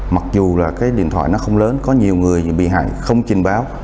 mặc dù là cái điện thoại nó không lớn có nhiều người bị hại không trình báo